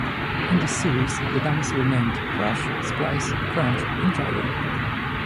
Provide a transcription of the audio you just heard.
In this series, the dummies were named Crash, Splice, Crunch, and Gyro.